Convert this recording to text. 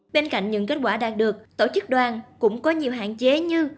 bên cạnh những kết quả đạt được tổ chức đoàn cũng có nhiều hạn chế như